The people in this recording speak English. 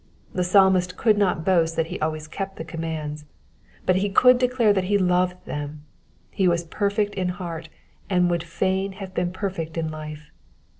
The Psalmist could not boast that he always kept the commands ; but he could declare that he loved them ; he was perfect in heart, and would fain have been perfect in life.